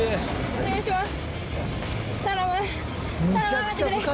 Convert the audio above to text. お願いします！